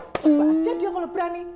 coba aja dia kalau berani